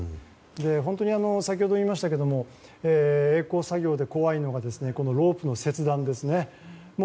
先ほど言いましたけどえい航作業で怖いのがロープの切断ですね。